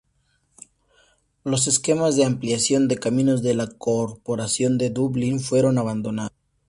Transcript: Los esquemas de ampliación de caminos de la Corporación de Dublín fueron abandonados.